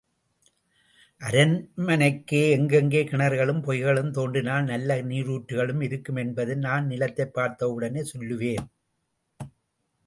அரண்மனைக்குள் எங்கெங்கே கிணறுகளும் பொய்கைகளும் தோண்டினால் நல்ல நீருற்றுக்கள் இருக்கும் என்பதை நான் நிலத்தைப் பார்த்தவுடனே சொல்லுவேன்.